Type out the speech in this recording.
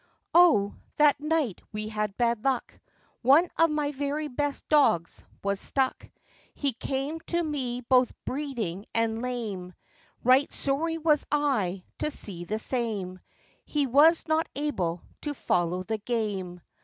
Oh! that night we had bad luck, One of my very best dogs was stuck; He came to me both breeding and lame,— Right sorry was I to see the same,— He was not able to follow the game.